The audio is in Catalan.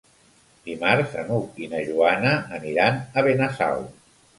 Dimarts n'Hug i na Joana aniran a Benassal.